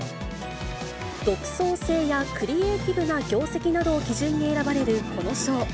独創性やクリエーティブな業績などを基準に選ばれるこの賞。